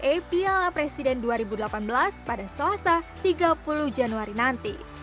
saya akan menjadi presiden dua ribu delapan belas pada selasa tiga puluh januari nanti